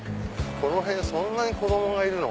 この辺そんなに子供がいるの？